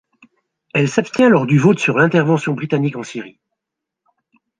Elle s’abstient lors du vote sur l’intervention britannique en Syrie.